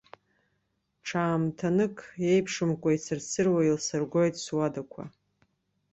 Ҽаамҭанык еиԥшымкәа, ицырцыруа еилсыргоит суадақәа.